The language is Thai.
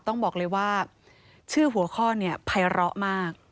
ต้องบอกเลยว่าชื่อหัวข้อเนี่ยภัยร้อมาก